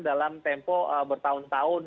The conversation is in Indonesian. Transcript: dalam tempo bertahun tahun